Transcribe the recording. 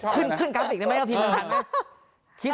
ขึ้นกรัมฟิกได้ไหมพี่มันฮังไหม